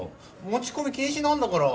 持ち込み禁止なんだから。